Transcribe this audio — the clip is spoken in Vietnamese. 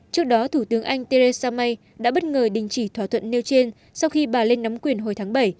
trước đó thủ tướng anh theresa may đã bất ngờ đình chỉ thỏa thuận nêu trên sau khi bà lên nắm quyền hồi tháng bảy